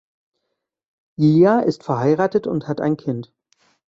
Jia ist verheiratet und hat ein Kind.